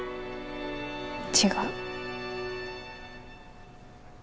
違う。